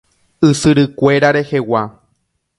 Ysyrykuéra rehegua.